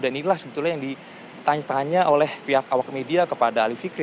dan inilah sebetulnya yang ditanya tanya oleh pihak awak media kepada ali fikri